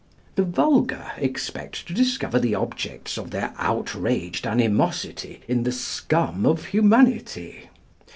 " The vulgar expect to discover the objects of their outraged animosity in the scum of humanity.